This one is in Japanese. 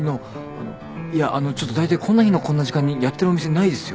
いやあのちょっとだいたいこんな日のこんな時間にやってるお店ないですよ。